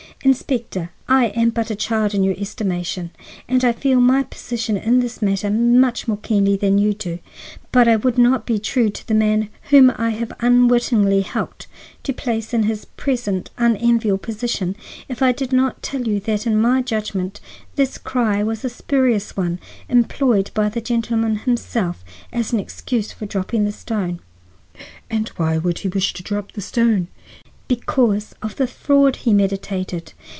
Inspector, I am but a child in your estimation, and I feel my position in this matter much more keenly than you do, but I would not be true to the man whom I have unwittingly helped to place in his present unenviable position if I did not tell you that, in my judgment, this cry was a spurious one, employed by the gentleman himself as an excuse for dropping the stone." "And why should he wish to drop the stone?" "Because of the fraud he meditated.